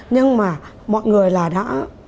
nhưng mà mọi người là đã